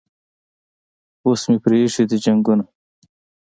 اوس مې پریښي دي جنګونه